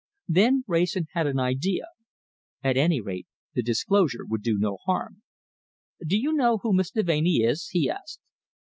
Then Wrayson had an idea. At any rate, the disclosure would do no harm. "Do you know who Miss Deveney is?" he asked.